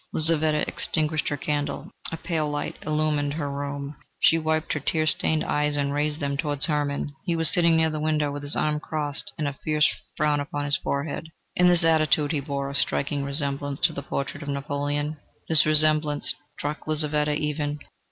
Lizaveta extinguished her candle: a pale light illumined her room. She wiped her tear stained eyes and raised them towards Hermann: he was sitting near the window, with his arms crossed and with a fierce frown upon his forehead. In this attitude he bore a striking resemblance to the portrait of Napoleon. This resemblance struck Lizaveta even.